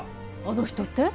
あの人って？